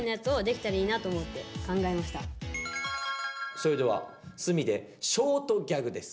それでは角でショートギャグです